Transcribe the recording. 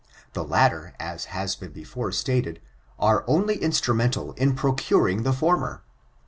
The latter, as has been before stated, are only instrumental in procuring the former.